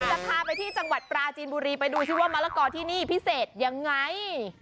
จะพาไปที่จังหวัดปราจีนบุรีไปดูซิว่ามะละกอที่นี่พิเศษยังไง